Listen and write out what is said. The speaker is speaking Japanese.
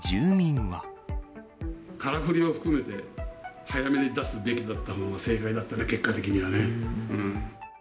空振りを含めて、早めに出すべきだったほうが、正解だったね、結果的にはね。